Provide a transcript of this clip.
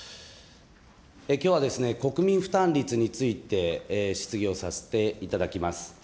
きょうは国民負担率について、質疑をさせていただきます。